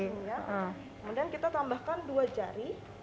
kemudian kita tambahkan dua jari